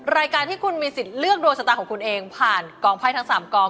รายการที่คุณมีสิทธิ์เลือกดวงชะตาของคุณเองผ่านกองไพ่ทั้ง๓กอง